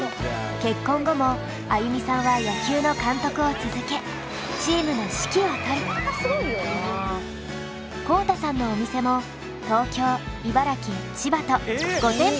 結婚後も安祐美さんは野球の監督を続けチームの指揮を執り公太さんのお店も東京茨城千葉とえっすごいやん！